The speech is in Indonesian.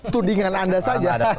tudingan anda saja